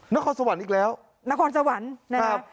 นครสวรรค์อีกแล้วนครสวรรค์นะครับ